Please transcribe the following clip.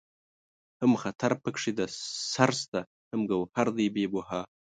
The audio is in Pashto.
هم خطر پکې د شر شته هم گوهر دئ بې بها